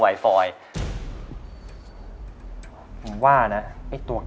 แล้วมันมาเอาอีกสินด้วย